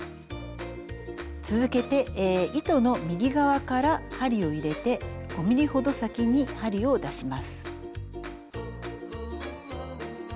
続けて糸の右側から針を入れて５ｍｍほど先に針を出します。